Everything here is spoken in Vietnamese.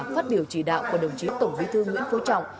phát biểu chỉ đạo của đồng chí tổng bí thư nguyễn phú trọng